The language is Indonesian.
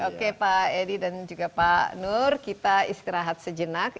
oke pak edi dan juga pak nur kita istirahat sejenak